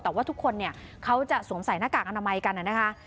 แต่ว่าทุกคนเนี่ยเขาจะสวมใส่หน้ากากอนามัยกันนะคะ